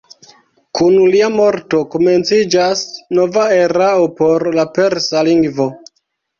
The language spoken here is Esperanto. Kun lia morto komenciĝas nova erao por la persa lingvo.